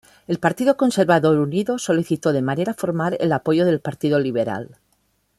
El Partido Conservador Unido solicitó de manera formal el apoyo del Partido Liberal.